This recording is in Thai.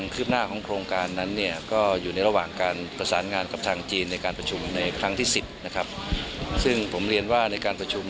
จนกว่าโครงการนั้นจะเสร็จ